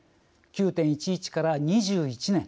９．１１から２１年。